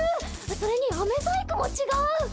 それにアメ細工も違う。